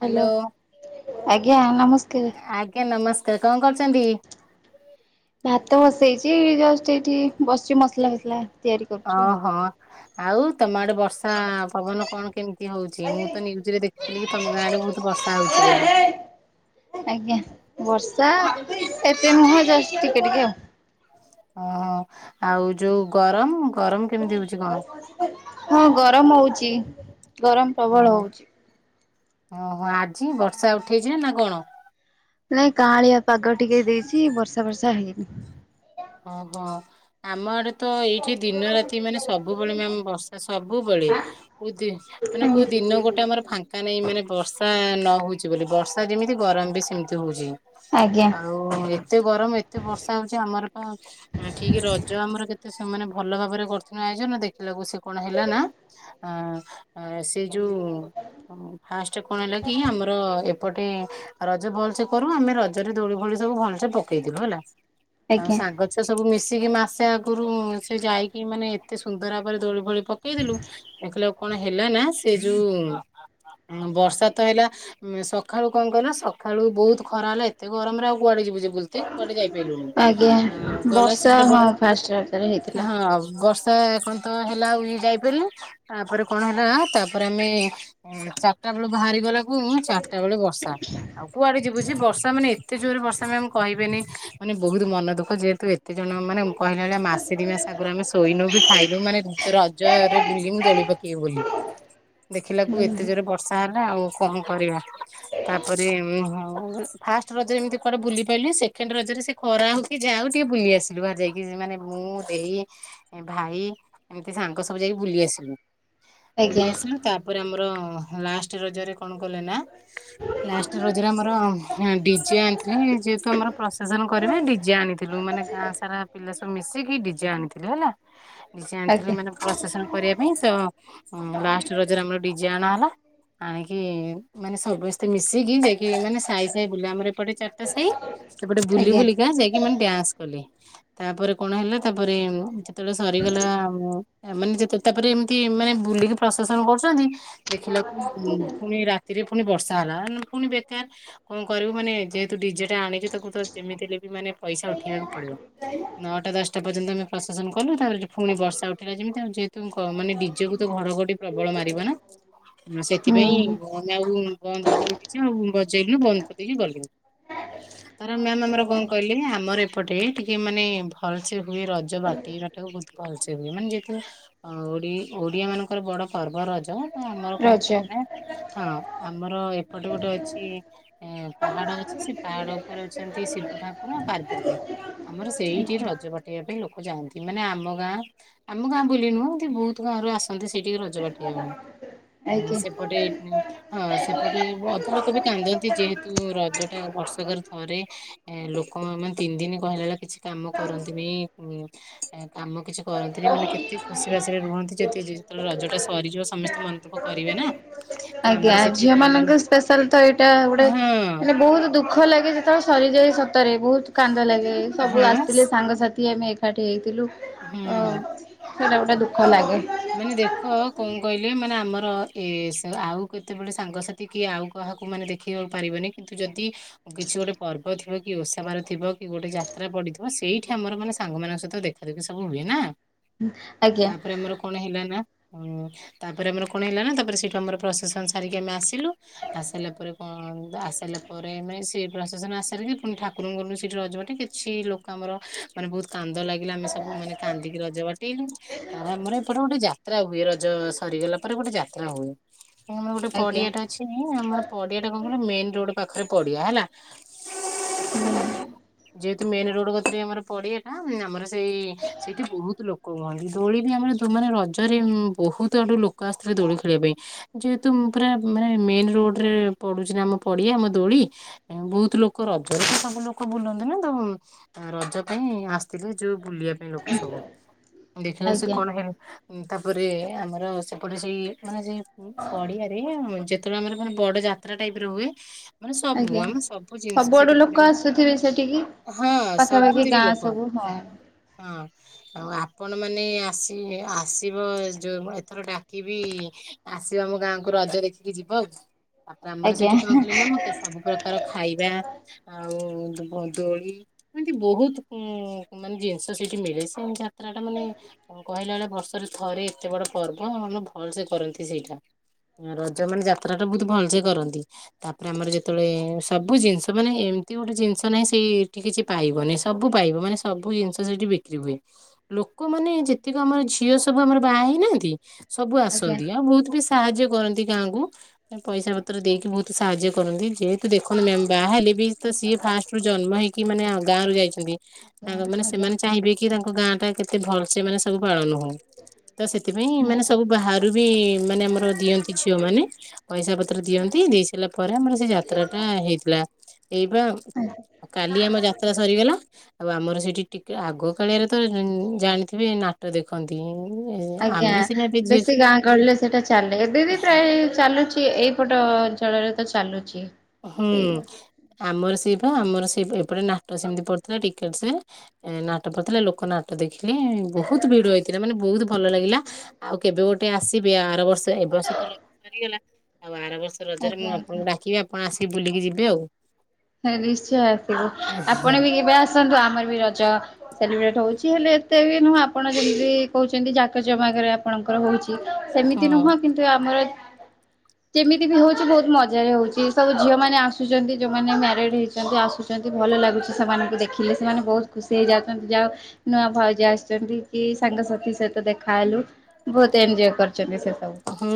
Hello hello ଆଜ୍ଞା ନମସ୍କାର। ଆଜ୍ଞା ନମସ୍କା ତେବେ କଣ କରୁଚନ୍ତି? ଭାତ ବସେଇଚି ଜଷ୍ଟ ଏଇଠି ବସିଚି ମସଲା ଫସଲା ତିଆରି କରୁଛି ଆଉ। ଓହୋ ଆଉ ତମ ଆଡ଼େ ବର୍ଷ ଷା ପବନ କଣ କେମିତି ହଉଚି ମୁତ ନ୍ୟୁଜରେ ଦେଖିଥିଲିକି ତମ ଗାଁଆଡ଼େ ବହୁତ୍ ବର୍ଷା ହଉଚି ବୋଲି। ଆଜ୍ଞା ବର୍ଷା ଏତେନୁହଁ ଯଷ୍ଟ ଟିକେ ଟିକେ ଆଉ। ହଁ ଆଉ ଯୋଉ ଗରମ୍ ଗରମ କେମିତି ହଉଛି କଣ? ହଁ ଗରମ୍ ହଉଚି ଗରମ୍ ପ୍ରବଳ ହଉଚି। ଓହୋ ଆଜି ବର୍ଷା ଉଠେଇଚିନା କଣ? ନାଇଁ କାଁଳିଆ ପାଗ ଟିକେ ଦେଇଚି ବର୍ଷା ଫର୍ଷା ହେଇନି। ହଁ [unintelligible] ଆମ ଆଡେ ତ ଏଇଠି ଦିନ ରାତି ମାନେ ସବୁବେଳେ ମ୍ୟାମ ବର୍ଷା ସବୁବେଳେ। କୋଉ ଦି ମାନେ କୋଉ ଦିନ ଗୋଟେ ଆମର ଫା ଙ୍କା ନାହିଁ ମାନେ ବର୍ଷା ନ ହଉଛି ବୋଲି ବର୍ଷା ଯେମିତି ଗରମ ବି ସେମିତି ହଉଛି। ଆଜ୍ଞା। ଆଉ ଏତେ ଗରମ ଏତେ ବର୍ଷା ହଉଛି ଆମର ହଁ ଠିକ ରଜ ଆମର କେତେ ସେମାନେ ଭଲ ଭାବରେ କରିଥିଲେ ଆୟୋଜନ ଦେଖିଲାକୁ ସେ କଣ ହେଲା ନା ଆ ଆ ସେ ଯୋଉ ଅ ଫାଷ୍ଟ କଣ ହେଲା କି ଆମର ଏପଟେ ରଜ ଭଲସେ କରୁ ଆମେ ରଜରେ ଦୋଳି ଫୋଳି ସବୁ ଭଲସେ ପକେଇଥେଲୁ ହେଲା ଆଉ ଆଜ୍ଞା। ସାଙ୍ଗ ଛୁଆ ସବୁ ମିଶିକି ମାସେ ଆଗରୁ ସେ ଯାଇକି ମାନେ ଏତେ ସୁନ୍ଦର ଭାବରେ ଦୋଳି ଫୋଳି ପକେଇଦେଲୁ ଦେଖିଲା ବେଳକୁ କଣ ହେଲା ନା ସେ ଯୋଉ ବର୍ଷା ତ ହେଲା ଉଁ ସ ଖାଳୁ କଣ କ ନା ସକାଳୁ ବହୁତ ଖରା ହେଲା ଏତେ ଗରମରେ ଆଉ କୁଆଡେ ଯିବୁ ଯେ ବୁଲ୍ତି କୁଆଡେ ଯାଇପାଲୁନୁ। ଆଜ୍ଞା ଆ ଗଲା ବର୍ଷା ସେପଟେ ବ ହଁ ଫାଷ୍ଟ ରଜରେ ହେଇଥିଲା। ହଁ ବର୍ଷା କଣ ତ ହେଲା ଆଉ ଯାଇପାରିଲୁ ତାପରେ କଣ ହେଲା ତାପରେ ଆମେ ଚାରିଟା ବେଳ ବାହାରିଗଲା କୁ ଚାରିଟା ବେଳେ ବର୍ଷା। ଆଉ କୁଆଡେ ଯିବୁଝି ବର୍ଷା ମାନେ ଏତେ ଜୋରରେ ବର୍ଷା ମ୍ୟାମ୍ କହିବେନି ମାନେ ବହୁତ ମନ ଦୁଃଖ ଯେହେତୁ ଏତେ ଜଣ ମାନେ କହିଲା ଭଳିଆ ମାସେ ଦି ମାସ ଆଗରୁ ଆମେ ଶୋଇନୁ ବି ଖାଇନୁ ମାନେ ର ହରେ ବୁଲିମୁ ଦୋଳି ପକେଇବୁ ବୋଲି। ଦେଖିଲା କୁ ଏତେ ହୁଁ ଜୋରେ ବର୍ଷା ହେଲା ଆଉ କଣ କରିବା। ତାପରେ ଫାଷ୍ଟ ରଜରେ ଏମିତି କୁଆଡେ ବୁଲି ପାଲିି ସେକେଣ୍ଡ ରଜରେ ସେ ଖରା ହଉ କି ଯାହା ହଉ ଟିକେ ବୁଲି ଆସିଲୁ ବାହାରି ଯାଇକି ମାନେ ମୁଁ ଦେଇ ଭାଇ ଏମିତି ସାଙ୍ଗ ସବୁ ଯାଇକି ବୁଲି ଆସିଲୁ ବୁଲି ଆଜ୍ଞା ଆସିଲୁ ତା ପରେ ଆମର ଲାଷ୍ଟ ରଜରେ କଣ କଲେ ନା ଲାଷ୍ଟ ରଜରେ ଆମର ଡିଜେ ଆଣିଥିଲେ ଯେହେତୁ ଆମର ପ୍ରଶେସନ କରିବେ ଡିଜେ ଆଣିଥିଲୁ ମାନେ ଗାଁ ସାରା ପିଲା ସବୁ ମିଶିକି ଡିଜେ ଆଣିଥିଲୁ ହେଲା। ଜେ ଆଣିଥିଲି ଆଜ୍ଞା ମାନେ ପ୍ରଶେସନ କରିବା ପାଇଁ ତ ଲାଷ୍ଟ ରଜରେ ଆମର ଡିଜେ ଆଣା ହେଲା ଆଣିକି ମାନେ ସବୁସ୍ତେ ମିଶିକି ଯାଇକି ମାନେ ସାଇ ସାଇ ବୁଲା ଆମର ଏପଟେ ଚାରିଟା ସାହି ସେପଟେ ବୁଲି ଆଜ୍ଞା ବୁଲିକା ଯାଇକି ମାନେ ଡ୍ୟାନ୍ସ କଲେ। ତାପରେ କଣ ହେଲା ତାପରେ ଯେତେବେଳେ ସରିଗଲା ଏମାନେ ଯେତେ ତାପରେ ଏମିତି ମାନେ ବୁଲିକି ପ୍ରଶେସନ କରୁଛନ୍ତି ଦେଖିଲାକୁ ପୁଣି ରାତିରେ ପୁଣି ବର୍ଷା ହେଲା ପୁଣି ବେତେ କଣ କରିବୁ ମାନେ ଯେହେତୁ ଡିଜେ ଟା ଆଣିଛୁ ତାକୁ ତ ଯେମିତି ହେଲେ ବି ମାନେ ପଇସା ଉଠେଇବାକୁ ପଡିବ। ନଅଟା ଦଶଟା ପର୍ଯ୍ୟନ୍ତ ଆମେ ପ୍ରଶେସନ କଲୁ ତାପରେ ପୁଣି ବର୍ଷା ଉଠିଲା ଯେମିତି ଆଉ ଯେହେତୁ କ ମାନେ ଡ଼ିଜେକୁ ତ ଘଡ଼ଘଡ଼ି ପ୍ରବଳ ମାରିବ ନା। ହଁ ହୁଁ ସେଥିପାଇଁ ହୁଁ। ଆମେ ଆଉ ବନ୍ଦ କରିଦେଲୁ ଡ଼ିଜେ ଆଉ ବଜେଇଲୁନୁ ବନ୍ଦ କରିଦେଇକି ଗଲୁ। ତା ମ୍ୟାମ ଆମର କଣ ଆଜ୍ଞା କହିଲି ଆମର ଏପଟେ ଟିକେ ମାନେ ଭଲ ସେ ହୁଏ ରଜ ବାଟି ସେଟାକୁ ବହୁତ ଭଲସେ ହୁଏ ମାନେ ଯେହେତୁ ଓ ଓଡ଼ିଆ ମାନଙ୍କର ବଡ଼ ପର୍ବ ରଜ ହଁ ଆମର କଣ ରଜ କଲେ ନା ହଁ ଆମର ଏପଟେ ଗୋଟେ ଅଛି ଏ ପାହାଡ ଅଛି ସେ ପାହାଡ ଉ ପରେ ଅଛନ୍ତି ଶିବ ଠାକୁର ପାର୍ବତୀ। ଆମର ସେଇଠି ଆଜ୍ଞା ରଜ କଠେଇବା ପାଇଁ ଲୋକ ଯାଆନ୍ତି ମାନେ ଆମ ଗାଁ ଆମ ଗାଁ ବୁଲି ନୁହଁ ବହୁତ ଗାଁରୁ ଆସନ୍ତି ସେଠିକି ରଜ ବାଟେଇବା ପାଇଁ। ହୁଁ ଆଜ୍ଞା ସେପଟେ ଏଇ ହଁ ସେପଟେ ଅଧା ଲୋକ ବି କାନ୍ଦନ୍ତି ଯେହେତୁ ରଜ ଟା ବର୍ଷ କରି ଘରେ ଲୋକ ମାନେ ତିନି ଦିନ କହିଲା କିଛି କାମ କରନ୍ତିନି। କାମ କିଛି କରନ୍ତିନି ମାନେ କେତେ ଖୁସି ବାସିରେ ରୁହନ୍ତି ଯଦି ଯେତେବେଳେ ରଜ ଟା ସରିଯିବ ସମସ୍ ତ ମନେ ତୋକ କରିବେ ନା ଆଜ୍ଞା ସେଠି ଝିଅ କା- ମାନେ ମାନଙ୍କ ସ୍ପେଶାଲ ତ ଏଇଟା ଗୋଟେ ହଁ ମାନେ ବହୁତ ଦୁଖ ଦୁଃଖ ଲାଗେ ଯେତେବେଳେ ସରିଯାଏ ସତରେ ବହୁତ କାନ୍ଦ ଲାଗେ ହଁ ସବୁ ବାସ୍ ଆସିଥିଲେ ସାଙ୍ଗସାଥି ଆମେ ସୋଠି ହେଇଥିଲୁ। ହୁଁ ହ ସେଇଟା ଗୋଟେ ଦୁଃଖ ଲାଗେ। ମାନେ ଦେଖ କଣ କହିଲେ ମାନେ ଆମର ଏ ଆଉ କେତେବେଳେ ସାଙ୍ଗସାଥି ଏତିକି ଆଉ କାହାକୁ ମାନେ ଦେଖିବାକୁ ପାରିବନି କିନ୍ତୁ ଯଦି କିଛି ଗୋଟେ ପର୍ବ ଥିବ କି ଓଷା ପାର ିବ କି ଗୋଟେ ଯାତ୍ରା ପଡିଥିବ ସେଇଠି ଆମର ମାନେ ସାଙ୍ଗମାନଙ୍କ ସହିତ ଦେଖ ିକି ସବୁ ହୁଏ ନା ଆଜ୍ଞା ତାପରେ ଆମର କଣ ହେଲାନ ତାପରେ ଆମର କଣ ହେଲାନା ତାପରେ ସେଇଠୁ ଆମର ପ୍ରସେସନ ସାରିକି ଆମେ ଆସିଲୁ ଆସିଲା ପରେ କଣ ଆସିଲା ପରେ ମାନେ ସେ ପ୍ରଶାସନ ଆସାରିଲା କି ପୁଣି ଠାକୁରଙ୍କନୁ ସେଠି ରଜବା ଟିକ କେ ଅଛି ଲୋକ ଆମର ମାନେ ବହୁତ କାନ୍ଦ ଲାଗିଲା ଆମେ ସବୁ ମାନେ କାନ୍ଦିକି ରଜ ବାଟେଇଲୁ ତାର ଆମର ଏପଟେ ଗୋଟେ ଯାତ୍ରା ହୁଏ ରଜ ସରିଗଲା ପରେ ଗୋଟେ ଯାତ୍ରା ହୁଏ କାହିଁକି ଗୋଟେ ଆଜ୍ଞା ପଡିଆ ଟା ଅଛି ଆମର ପଡିଆ ଟା କଣ କହିଲ ମେନ ରୋଡ ପାଖରେ ପଡିଆ ହେଲା। ହୁଁ ଯେହେତୁ ମେନ ରୋଡ ଗତରେ ଆମର ପଡି ଏଟା ଆମର ସେଇ ସେଇଠି ବହୁତ ଲୋକ କୁହନ୍ତି ଦୋଳି ବି ଆମର ସେମାନେ ରଜରେ ବହୁତ ଆଡୁ ଲୋକ ଆସିଥିଲେ ଦୋଳି ଖେଳିବା ପାଇଁ ଯେହେତୁ ପୁରା ମାନେ ମେନ ରୋଡରେ ପଡୁଛି ନା ଆମ ପଡିଆ ଆମ ଦୋଳି ବହୁତ ଲୋକ ରଜରେ ତ ସବୁ ଲୋକ ବୁଲନ୍ତି ନା ତ ରଜ ପାଇଁ ଆସିଥିଲେ ଯୋଉ ବୁଲିବା ପାଇଁ ଲୋକ ସବୁ ଦେଖିଲେ ସେ ଆଜ୍ଞା କଣ ହେଲେ ତାପରେ ଆମର ସେପଟେ ସେଇ ମାନେ ଯ ଁ ପଡିଆରେ ଯେତେବେଳେ ଆମର ମାନେ ବଡ ଯାତ୍ରା ଟାଇପରେ ହୁଏ। ମାନେ ସବୁ ଆଜ୍ଞା ଆମ ସବୁ ଜିନିଷ ସବୁଆଡୁ ସେଇଠି ପଡେ ଲୋକ ଆସୁଥିବେ ସେଠିକି? ହଁ ପାଖାପାଖି ସବୁଥିରେ ଗାଁ ଲୋକ ସବୁ ହଁ ହଁ ଆଉ ଆପଣ ମାନ ଆସ ଆସିବ ଯେଉଁ ଏଥର ଡାକିବି। ଆସିବ ଆମ ଗାଁକୁ ରଜ ଦେଖିକି ଯିବ ଆଉ ତାପରେ ଆମର ଆଜ୍ଞା ଆଜ୍ଞା ସେଇଠି କଣ କଲେ ନା ମୁଁ ସବୁ ପ୍ରକାର ଖାଇବା ଆଉ ଦୋଳି ଏମତି ବହୁତ ଉ ମାନେ ଜିନିଷ ସେଠି ମିଳେ ସେ ଯାତ୍ରା ଟା ମାନେ କହିଲା ବେଳେ ବର୍ଷରେ ଥରେ ଏତେ ବଡ ପର୍ବ ମାନେ ଭଲ ସେ କରନ୍ତି ସେଇଟା ରଜ ମାନେ ଯାତ୍ରା ବହୁତ ଭଲସେ କରନ୍ତି ତାପରେ ଆମର ଯେତେବେଳେ ସବୁ ଜିନିଷ ମାନେ ଏମିତି ଗୋଟେ ଜିନିଷ ନାହିଁ ସେଇିକ କିଛି ପାଇବନାଇ ସବୁ ପାଇବ ମାନେ ସବୁ ଜିନିଷ ସେଠି ବିକ୍ରି ହୁଏ ଲୋକମାନୋନେ ଯେତିକି ଆମର ଝିଅ ସବୁ ଆମର ବାହା ହେଇନାହାନ୍ତି ସବୁ ଆଜ୍ଞା ଆସନ୍ତି ଆଉ ବହୁତ ବେଶୀ ସାହାଯ୍ୟ କରନ୍ତି ଗାଁକୁ ପଇସା ପତ୍ର ଦେଇକି ବହୁତ ସାହାଯ୍ୟ କରନ୍ତି ଯେତ ତୁ ଦେଖନ୍ତୁ ମ୍ୟାାମ ବାହା ହେଲେ ବି ତ ସିଏ ଫାଷ୍ଟ ରୁ ଜନ୍ମ ହେଇକି ମାନେ ଗାଁରୁ ଯାଇଛନ୍ତି ତାଙ୍କ ମାନେ ଆଜ୍ଞା ସେମାନେ ଚାହିଁବେ କି ତାଙ୍କ ଗାଁ ଟା କେତେ ଭଲ ସେ ମମାନେେ ସବୁ ପାଳନ ହୁଉ ତ ସେଥିପାଇଁ ମାନେ ସବୁ ବାହାରୁ ବି ମାନେ ଆମର ଦିଅନ୍ତି ଝିଅ ମାନେ ପଇସା ପତ୍ର ଦିଅନ୍ତି ଦେଇ ସାରିଲା ପରେ ଆମର ସେ ଯାତ୍ରା ଟା ହେଇଥିଲା ଏଇବା ଆଜ୍ଞା ଆଉ କାଲି ଆମ ଯାତ୍ରା ସରିଗଲା ଆଉ ଆମର ସେଇଠି ଟିକେ ଆଗ କାଳରେ ତ ଜାଣିଥିବେ ନାଟ ଦେଖନ୍ତିୁ ନ ଆଜ୍ଞା ବେଶୀ ଗାଁ ଗହିଲେ ସେଇଟା ଚାଲେ ଦିଦି ପ୍ରାୟ ଚାଲୁଛି ଏଇ ପଟ ଅଞ୍ଚଳରେ ତ ଚାଲୁଛି ହୁଁ ଏଇ ଆମର ସେଟ ଆମର ସେ ଏପଟେ ନାଟକ ସେମିତି ପଡିଥିଲା ଟିକେ ନାଟକ ପଢଥିଲା ଲୋକ ନାଟ ଟ ଦେଖିଲେ ବହୁତ ଭିଡ ହେଇଥିଲା ମାନେ ବହୁତ ଭଲ ଲାଗିଲା ଆଉ କେବେ ଗୋଟେ ଗଟେ ଆସିବେ ଆର ବର୍ଷ ଏ ବର୍ଷ ତ ରଜ ସରିଗଲା ଆଉ ଆର ବର୍ଷ ରଜରେ ମୁଁ ଆଜ୍ଞା ଆଜ୍ଞା। ଆପଣଙ୍କୁ ଡାକିବି କଣ ଆସିକି ବୁଲିକି ଯିବେ ଆଉ ନିଶ୍ଚୟ ଆସିବୁ, ଆପଣ ବି କେବେ ଆସନ୍ତୁ ଆମର ବି ରଜ ସେଲିବ୍ରେଟ୍ ହଉଚି, ହେଲେ ଏତେ ବି ନୁହଁ ଆପଣ ଯେମ୍ତି କହୁଛନ୍ତି ଜାକ ଜମାକରେ ଆପଣଙ୍କର ହଉଛି। ସେମିତି ହଁ। ନୁହଁ କିନ୍ତୁ ଆମର ଯେମିତି ବି ହଉଚି ବହୁତ୍ ମଜାରେ ହଉଚି, ସବୁ ଝିଅମାନେ ଆସୁଚନ୍ତି ଯୋଉ ମାନେ ମ୍ୟାରିଡ଼୍ ହେଇଚନ୍ତି ଆସୁଛନ୍ତି ଭଲ ଲାଗୁଚି ସେମାନଙ୍କୁ ଦେଖିଲେ ସେମାନେ ବହୁତ୍ ଖୁସି ହେଇଯାଉଚନ୍ତି, ଯାହଉ ନୂଆ ଭାଉଜ ଆସିଚନ୍ତି କି ସାଙ୍ଗସାଥି ସହିତ ଦେଖା ହେଲୁ ବହୁତ୍ ଏନ୍ଜୟ କରିୁଚନ୍ତି ସେସବୁ। ହୁଁ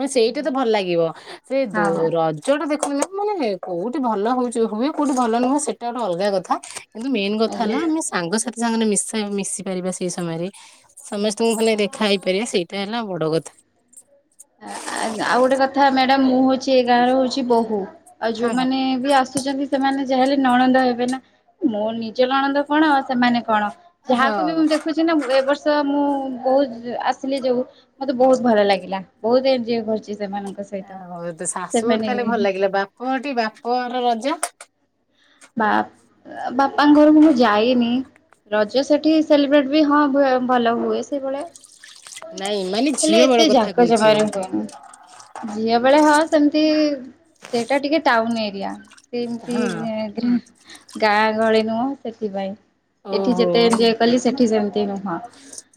ମାନେ ସେଇଟା ତ ଭଲ ଲାଗିବ, ସେ ହଁ ଆଜ୍ଞା ଦୋ-ର ଜ ଟା ଦେଖନୁ ମାନେ କୋଉଠି ଭଲ ହଉଚି ହୁଏ କୋଉଠି ଭଲ ନୁହଁ ସେଇଟା ଗୋଟେ ଅଲଗା କଥା। କିନ୍ତୁ ମେନ୍ କଥା ହେଲା ଆମେ ସାଙ୍ଗସାଥି ସାଙ୍ଗରେ ମିଶ ମିଶି ପାରିବା ସେଇ ସମୟରେ, ସମେସ୍ ତୁଙ୍କୁ ଖାଲି ଆଜ୍ଞା ଦେଖା ହେଇପାରିବା ସେଇଟା ହେଲା ବଡ଼ କଥା। ଆ-ଆ ଆଉ ଗୋଟେ କଥା ମ୍ୟାଡ଼ାମ୍ ମୁଁ ହଉଚି ଏ ଗାଁରେ ହଉଚି ବୋହୂ। ଆଉ ହଁ ଯୋଉମାନେ ବି ଆସୁଚନ୍ତି, ସେମାନେ ଯାେହେଲେ ନଣନ୍ଦ ହେବେ ନା, ମୋ ନିଜ ନଣନ୍ଦ କଣ ଆଉ ସେମାନେ କଣ ହଁ ଯାହାକୁ ବି ମୁଁ ଦେ ଖୁଚି ନା ଏ ବର୍ଷ ମୁଁ ବୋହୂ ଆସିଲି ଯୋଉ ମତେ ବହୁତ୍ ହଁ। ଭଲ ଲାଗିଲା। ବହୁତ୍ ଏଞ୍ଜୟ୍ କରିଚି। ଆ ହଉ ତ ଶାଶୁଘଟିି ତାହେଲେ ଭଲ ଲାଗିଲା, ବାପଘଟି ବାପଘର ରଜ? ବା ବାପାଙ୍କ ଘରକୁ ମୁଁ ଯାଇନି। ରଜ ସେଠି ସେଲିବ୍ରେଟ୍ ବି ହଁ ଭଲ ହୁଏ ସେଇଭଳିଆ। ନାଇଁ ମାନେ ହେଲେ ଝିଅ ବେଳ ଏତେ କଥା ଯାକ କହୁଛି ଜମାରେ ହୁଏନି, ଝିଅ ବେଳେ ହଁ ସେମ୍ତି ସେଇଟା ଟିକେ ଟାଉନ୍ ଏରିଆ, ସେମ୍ତି ହଁ ଗାଁ ଗହଳି ନୁହଁ ସେଥିପାଇଁ ଏଠି ଓହୋ। ଯେତେ ଏଞଜୟ କଲି ସେଠି ସେମ୍ତି ନୁହଁ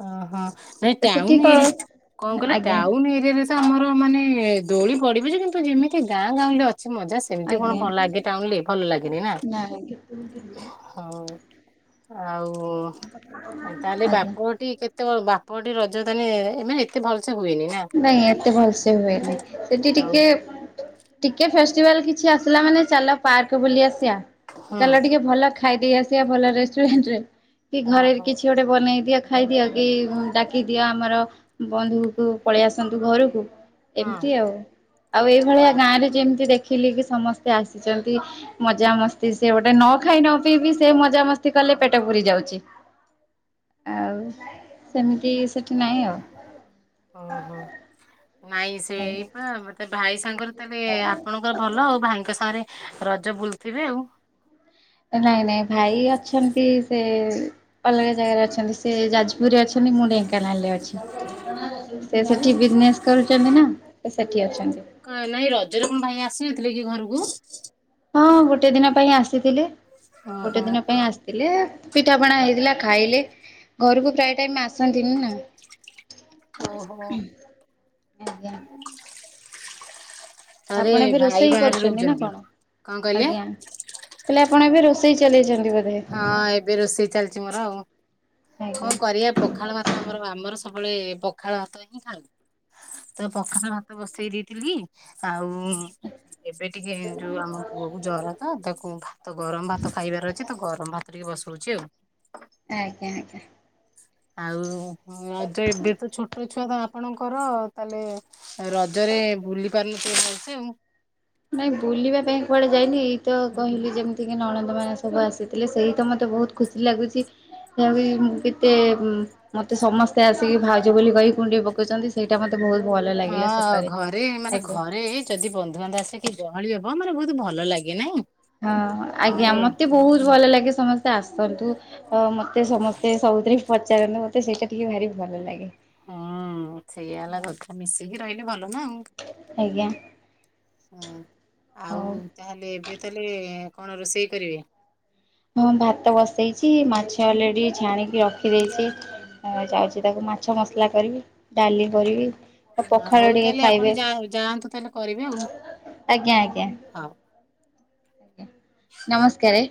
ଓହୋ ନାଇଁ ସେଠି ଟାଉନ୍ କଣ ଏରିଆ କଣ କିଇଲ ଆଜ୍ଞା ଟାଉନ୍ ଏରିଆରେ ତ ଆମର ମାନେ ଦୋଳି ପଡିବ ଯେ, କିନ୍ତୁ ଯେମିତି ଗାଁ ଗାଁଉଁଲି ରେ ଅଛି ମଜା ସେମ୍ତି ଆଜ୍ଞା କଣ ଲାଗେ ଟାଉନ୍ ରେ, ଭଲ ଲାଗେନି ନା। ନାଇଁ ହଉ ଆଉ ତାହେଲେ ଆଜ୍ଞା ବାପଘଟି କେତବଳେ ବାପଘଟି ରଜଦାନୀ ଏମାନେ ଏତେ ଭଲସେ ହୁଏନି। ନା ନାଇଁ ଏତେ ଭଲସେ ହୁଏନି, ସେଠି ଆଉ ଟିକେ ଟିକେ ଫେଷ୍ଟିଭାଲ୍ କିଛି ଆସିଲା ମାନେ ଚାଲ ପାର୍କ ବୁଲି ଆସିଆ, ହୁଁ ଚାଲ ଟିକେ ଭଲ ଖାଇ ଦେଇେଦେଇ ଆସିଆ ଭଲ ରେଷ୍ଟୁରାଣ୍ଟ ରେ କି ଘରେ ଓହୋ କିଛି ଗୋଟେ ବନେଇଦିଅ ଖାଇଦିଅ କି ଡାକିଦିଅ ଆମର ବନ୍ଧୁକୁ ପଳେଇ ଆସନ୍ତୁ ଘରକୁ, ହଁ ଏମ୍ତି ଆଉ-ଆଉ ଏଇଭଳିଆ ହଁ। ଗାଁ ରେ ଯେମ୍ତି ଦେ ଖିଲିକି ସମସ୍ତେ ଆସିଚନ୍ତି। ମଜାମସ୍ତି ସେ ଗୋଟେ ନ ଖାଇ ନ ପିଇବି ସେ ମଜାମସ୍ତି କଲେ ପେଟ ପୁରି ଯାଉଚି। ଆଉ ସେମିତି ସେଠି ନାହିଁ ଆଉ। ଓହୋ ନାଇଁ ଆଉ। ସେଇପା ମତେ ଭାଇ ସାଙ୍ଗରେ ତାହେଲେ ଆପଣଙ୍କର ଭଲ ଆଉ, ଭାଇଙ୍କ ସାଙ୍ଗରେ ରଜ ବୁଲଥିବେ ଆଉ। ଏ ନାଇଁ-ନାଇଁ ଭାଇ ଅଛନ୍ତି ସେ ଅଲଗା ଜାଗାରେ ଅଛନ୍ତି, ସେ ଯାଜପୁରରେ ଅଛ ନ୍ତି ମୁଁ ଢେଙ୍କାନାଳ ରେ ଅଛି। ସେ ସେଠି ବିଜନେସ୍ କରୁଚନ୍ତି ନା, ସେ ସେଠି ଅଛନ୍ତି। କ ନାଇଁ ରଜରେ କଣ ଭାଇ ଆସିନଥିଲେ କି ଘରୁକୁ? ହଁ-ହଁ ଗୋଟେ ଦିନ ପାଇଁ ଆସିଥିଲେ, ଗୋଟେ ଓହୋ ଦିନ ପାଇଁ ଆସି ଥିଲେ ପିଠା ପଣା ହେଇଥିଲା ଖାଇଲେ ଘରକୁ ପ୍ରୟ ଟାଇମ୍ ଆ ଆସନ୍ତିନି ନା। ଓହୋ ଆରେ ଆପଣ ଏବେ ଭାଇ ରୋଷେଇ ବାହାରେ କରୁଚନ୍ତି ନା ରହୁଛନ୍ତି କଣ? କଣ ମୁଁ କହିଲେ କଇଲି ଆପଣ ଏବେ ରୋଷେଇ ଚାଲେଇଚନ୍ତି ବୋଧେ? ହଁ ଏବେ ରୋଷେଇ ଚାଲିଛି ମୋର ଆଉ, କଣ ଆଜ୍ଞା କରିଆ ପଖାଳ ଭା ତ ଆମର-ଆମର ସବୁବେଳେ ପଖାଳ ଭାତ ହିଁ ଖାଆନ୍ତି। ତ ପଖାଳ ଭାତ ବସେଇ ଦେଇଥିଲି, ଆଉ ଏବେ ଟିକେ ଯୋଉ ଆମ ପୁଅକୁ ଜର ତ ତାକୁ ଭାତ ଗରମ ଭାତ ଖାଇବାର ଅଛି ତ ଗରମ ଭାତ କରିକି ବସୋଉଚି ଆଉ। ଆଜ୍ଞା ଆଜ୍ଞା। ଆଉ ଏବେ ତ ଛୋଟ ଛୁଆ ତ ଆପଣଙ୍କର ତାହେଲେ ଆଉ ରଜରେ ବୁଲି ପାରୁନଥିବ ସମସ୍ତେ ଆଉ। ନାଇଁ ବୁଲିବା ପାଇଁ କୁଆଡେ ଯାଇନି ଏଇ ତ କହିଲି ଯେମିତିକି ନଳନ୍ଦ ମାନେ ସବୁ ଆସିଥିଲେ ସେଇତ ମୋତେ ବୋହୁତ ଖୁସି ଲାଗୁଚି। ସେ ଆବି ଉଁ କେତେ ଉଁ ମତେ ସମସ୍ତେ ଆସିକି ଭାଉଜ ବୋଲି କହିି କୁଣ୍ଡେଇ ପକଉଚନ୍ତି। ସେଇଟା ମତେ ବହୁତ ଭଲ ଲାଗିଲା ହଁ ସତରେ ଘରେ ମାନେ ଆଜ୍ଞା। ଘରେ ଯଦି ବନ୍ଧୁବାନ୍ଧବ ଆସିକି ଜହଳି ହବ ମୋତେ ବହୁତ ଭଲ ଲାଗେ ନାଇଁ। ହଁ ଆଜ୍ଞା ମାନେ ମତେ ବହୁତ ଭଲ ଲାଗେ ସମସ୍ତେ ଆସନ୍ତୁ। ହଁ ମତେ ସମସ୍ତେ ସବୁଥିରେ ପଚାରନ୍ତୁ ମତେ ସେଇଟା ଟିକେ ଭାରି ଭଲ ଲାଗେ। ହଁ ସେଆ ହେଲା ହଁ କଥା ମିଶିକି ରହିଲେ ଭଲ ନା ଆଉ। ଆଜ୍ଞା ହଁ ଆଉ ହଉ ତାହେଲେ ଏବେ ତାହେଲେ କଣ ରୋଷେଇ କରିବେ? ହଁ ଭାତ ବସେଇଚି। ମାଛ ଅଲରେଡି ଛାଣିକି ରଖିଦେଇଚି। ହଁ ଯାଉଚି ତାକୁ ମାଛ ମସଲା କରିବି ଡାଲି କରିବି। ଆଉ ପଖାଳ ହଉ ଟିକେ ତାହେଲେ ଖାଇବେ ଆପଣ ଯାଅ ଯାଆନ୍ତୁ ତାହେଲେ କରିବେ ଆଉ। ଆଜ୍ଞା ଆଜ୍ଞା ହଉ। ନମସ୍କାରେ।